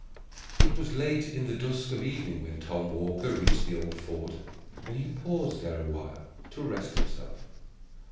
It was late in the dusk of evening when Tom Walker reached the old fort, and he paused there awhile to rest himself.